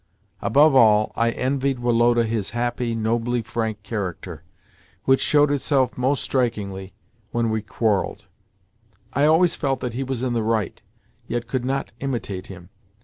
Above all, I envied Woloda his happy, nobly frank character, which showed itself most strikingly when we quarrelled. I always felt that he was in the right, yet could not imitate him.